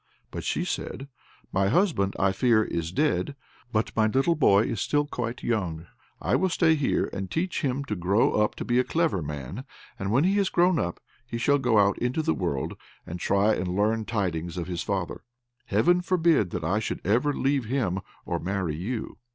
But she said, "My husband, I fear, is dead, but my little boy is still quite young; I will stay here and teach him to grow up a clever man, and when he is grown up he shall go out into the world, and try and learn tidings of his father. Heaven forbid that I should ever leave him, or marry you."